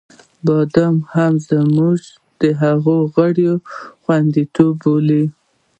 باد هم موږ د هغه غره خواته بېولو.